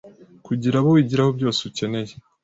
Kugira abo wigiraho byose ukeneye